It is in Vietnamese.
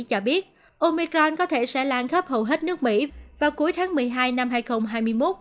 cho biết omicron có thể sẽ lan khắp hầu hết nước mỹ vào cuối tháng một mươi hai năm hai nghìn hai mươi một